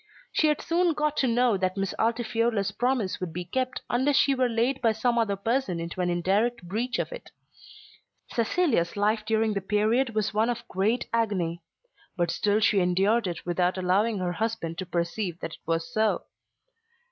She had soon got to know that Miss Altifiorla's promise would be kept unless she were led by some other person into an indirect breach of it. Cecilia's life during the period was one of great agony. But still she endured it without allowing her husband to perceive that it was so.